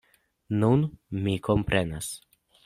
Nun mi komprenas.